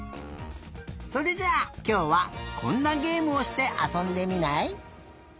それじゃあきょうはこんなげえむをしてあそんでみない？